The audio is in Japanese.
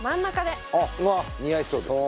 似合いそうですね